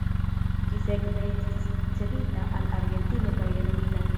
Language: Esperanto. Ĝi sekve estis cedita al Argentino kaj renomita.